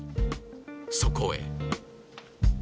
そこへ